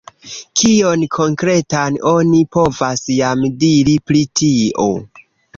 Kion konkretan oni povas jam diri pri tio?